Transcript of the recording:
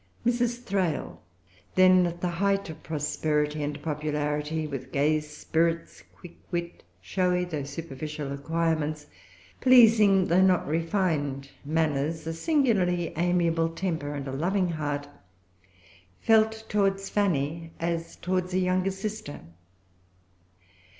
Mrs. Thrale, then at the height of prosperity and popularity, with gay spirits, quick wit, showy though superficial acquirements, pleasing though not refined manners, a singularly amiable temper, and a loving heart, felt towards Fanny as towards a younger sister.